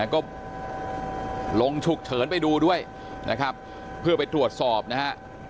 ก็ลงฉุกเฉินไปดูด้วยนะครับเพื่อไปตรวจสอบนะฮะ